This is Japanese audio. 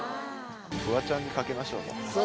フワちゃんに懸けましょうもう。